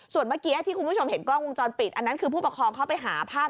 ส่วนเมื่อกี้ที่คุณผู้ชมเห็นกล้องวงจรปิดอันนั้นคือผู้ปกครองเข้าไปหาภาพ